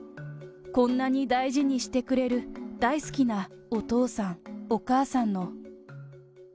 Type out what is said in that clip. こんなに大事にしてくれる大好きなお父さん、お母さんの。